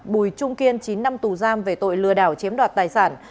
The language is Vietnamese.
bùi trung kiên chín năm tù giam về tội lừa đảo chiếm đoạt tài sản